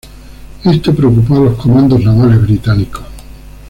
Esto preocupó a los comandos navales británicos.